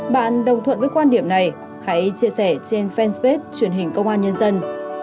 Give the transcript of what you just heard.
bạn đồng thuận với quan điểm này hãy chia sẻ trên fanpage truyền hình công an nhân dân